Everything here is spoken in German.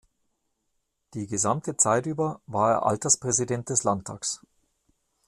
Die gesamte Zeit über war er Alterspräsident des Landtages.